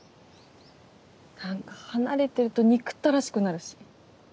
なんか離れてると憎たらしくなるし。